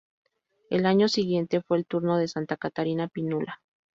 El año siguiente fue el turno de Santa Catarina Pinula.